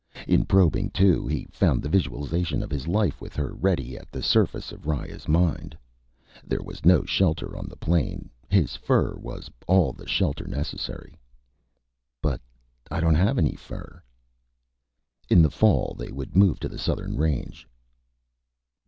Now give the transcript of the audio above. In probing, too, he found the visualization of his life with her ready at the surface of Riya's mind. There was no shelter on the plain. His fur was all the shelter necessary. But I don't have any fur. In the fall, they would move to the southern range.